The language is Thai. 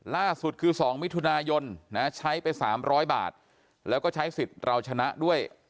ล่าสุดคือ๒มิถุนายนใช้ไป๓๐๐บาทแล้วก็ใช้สิทธิ์เราชนะด้วย